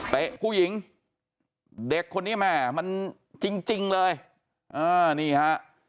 แตะผู้หญิงเด็กคนนี้มามันจริงเลยอ่านี่ฮะ